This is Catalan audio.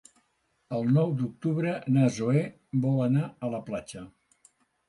El nou d'octubre na Zoè vol anar a la platja.